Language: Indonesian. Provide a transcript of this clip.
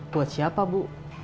buat siapa bu